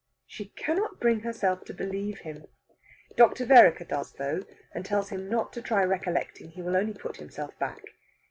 She cannot bring herself to believe him. Dr. Vereker does, though, and tells him not to try recollecting; he will only put himself back.